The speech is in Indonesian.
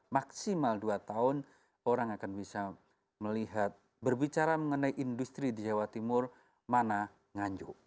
maksimal dua tahun orang akan bisa melihat berbicara mengenai industri di jawa timur mana nganjuk